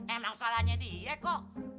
emang salahnya dia kok